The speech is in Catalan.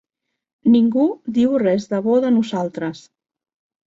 Ningú diu res de bo de nosaltres.